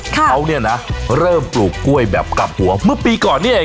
เขาเนี่ยนะเริ่มปลูกกล้วยแบบกลับหัวเมื่อปีก่อนนี้เอง